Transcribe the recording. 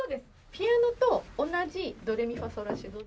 ピアノと同じドレミファソラシド。